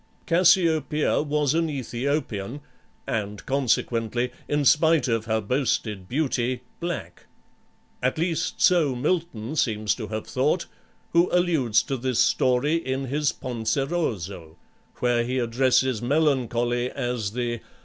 Cassiopeia was an Aethiopian, and consequently, in spite of her boasted beauty, black; at least so Milton seems to have thought, who alludes to this story in his "Penseroso," where he addresses Melancholy as the